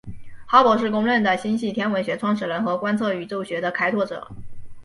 哈勃是公认的星系天文学创始人和观测宇宙学的开拓者。